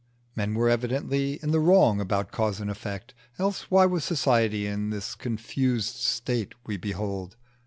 Men were evidently in the wrong about cause and effect, else why was society in the confused state we behold?